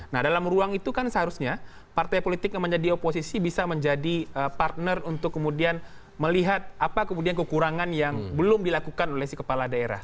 nah dalam ruang itu kan seharusnya partai politik yang menjadi oposisi bisa menjadi partner untuk kemudian melihat apa kemudian kekurangan yang belum dilakukan oleh si kepala daerah